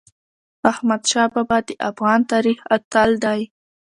احمدشاه بابا د افغان تاریخ اتل دی.